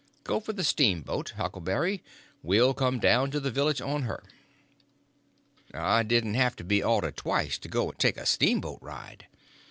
Go for the steamboat, Huckleberry; we'll come down to the village on her." I didn't have to be ordered twice to go and take a steamboat ride.